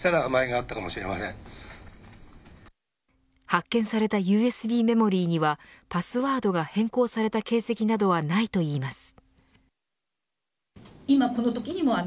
発見されたＵＳＢメモリーにはパスワードが変更された形跡などはないといいます。